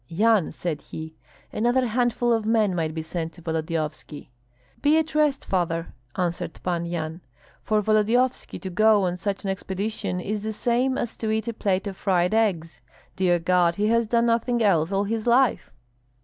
"Yan!" said he, "another handful of men might be sent to Volodyovski." "Be at rest, father," answered Pan Yan. "For Volodyovski to go on such an expedition is the same as to eat a plate of fried eggs. Dear God, he has done nothing else all his life!"